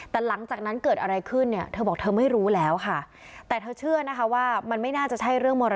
แต่หลังจากนั้นเกิดอะไรขึ้นถึง